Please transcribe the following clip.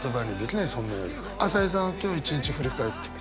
朝井さんは今日一日振り返ってみて。